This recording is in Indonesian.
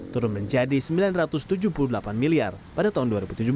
turun menjadi sembilan ratus tujuh puluh delapan miliar pada tahun dua ribu tujuh belas